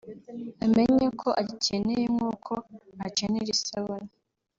amenye ko agikeneye nk’uko akenera isabune